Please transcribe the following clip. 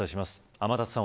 天達さん